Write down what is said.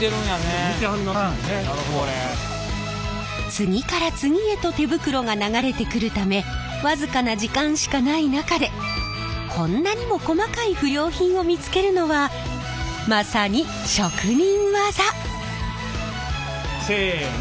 次から次へと手袋が流れてくるため僅かな時間しかない中でこんなにも細かい不良品を見つけるのはまさに職人技！せの。